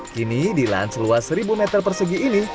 kini di lans luas seribu meter persegi ini